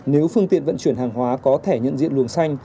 nếu phương tiện vận chuyển hàng hóa có thẻ nhận diện luồng xanh